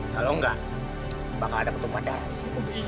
kalau enggak bakal ada betul padar disini